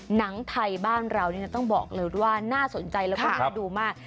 หนังไทยบ้านเรานี่ต้องบอกเลยว่าน่าสนใจแล้วก็น่าดูมาก